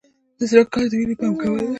د زړه کار د وینې پمپ کول دي